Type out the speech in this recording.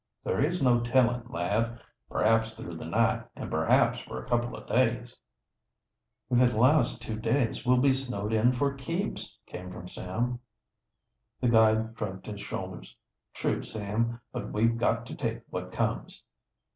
"There is no tellin', lad. Perhaps through the night, an' perhaps for a couple o' days." "If it lasts two days, we'll be snowed in for keeps!" came from Sam. The guide shrugged his shoulders. "True, Sam, but we've got to take what comes."